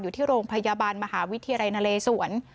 อยู่ที่โรงพยาบาลมหาวิทยาลัยนเลสวน